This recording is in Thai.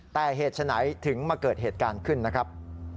แต่เหตุฉะไหนถึงมาเกิดเหตุการณ์ขึ้นนะครับ